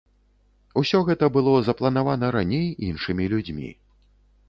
Усё гэта было запланавана раней іншымі людзьмі.